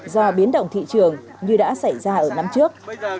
do biến động thị trường như đã xảy ra ở năm trước